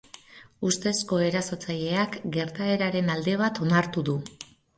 Ustezko erasotzaileak gertaeraren alde bat onartu du.